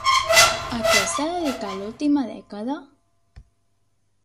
A què s'ha dedicat l'última dècada?